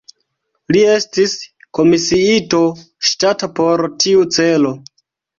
Li estis komisiito ŝtata por tiu celo.